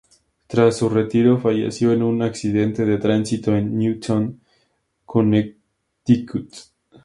Tras su retiro, falleció en un accidente de tránsito en Newtown, Connecticut.